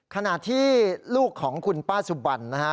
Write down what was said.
ขณะที่ลูกของคุณป้าสุบันนะฮะ